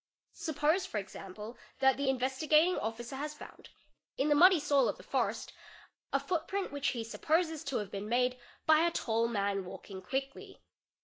Suppose for example, that the Investigating Officer has _ found, in the muddy soil of the forest, a footprint which he supposes to have been made by a tall man walking quickly.